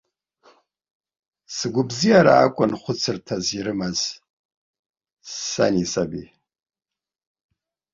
Сгәабзиара акәын хәыцырҭас ирымаз сани саби.